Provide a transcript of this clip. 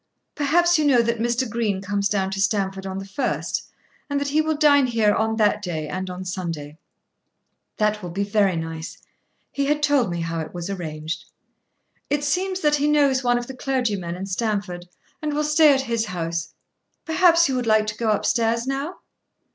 Perhaps you know that Mr. Green comes down to Stamford on the first, and that he will dine here on that day and on Sunday." "That will be very nice. He had told me how it was arranged." "It seems that he knows one of the clergymen in Stamford, and will stay at his house. Perhaps you will like to go upstairs now."